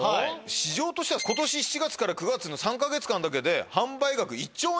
市場としては今年７月から９月の３か月間だけで。